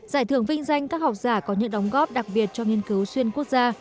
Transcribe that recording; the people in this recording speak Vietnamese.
giải thưởng vinh danh các học giả có những đóng góp đặc biệt cho nghiên cứu xuyên quốc gia